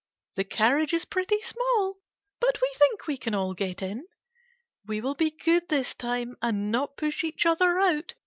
The carriage is pretty small, but we think we can all get in. We will be good this time and not push each other out.